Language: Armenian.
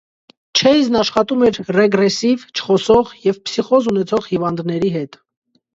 Չեյզն աշխատում էր ռեգրեսիվ, չխոսող և փսիխոզ ունեցող հիվանդների հետ։